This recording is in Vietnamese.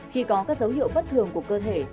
khi có các dấu hiệu bất thường của cơ thể